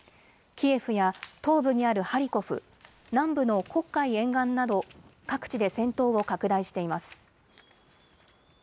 キエフや東部にあるハリコフ南部の黒海沿岸など各地で戦闘を拡大しています。